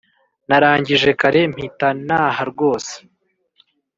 Narangije kare mpita naha rwose